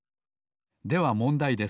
ではもんだいです。